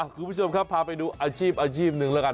คุณผู้ชมครับพาไปดูอาชีพอาชีพหนึ่งแล้วกัน